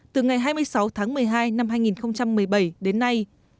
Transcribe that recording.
từ ngày hai mươi sáu tháng một mươi hai năm hai nghìn một mươi bảy đến nay